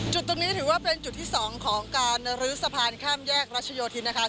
จุดตรงนี้ถือว่าเป็นจุดที่๒ของการลื้อสะพานข้ามแยกรัชโยธินนะคะ